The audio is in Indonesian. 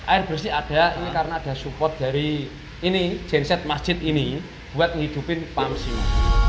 air bersih ada ini karena ada support dari ini genset masjid ini buat ngidupin pamsinya